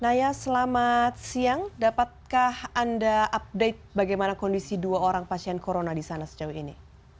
naya selamat siang dapatkah anda update bagaimana kondisi dua orang pasien corona di sana sejauh ini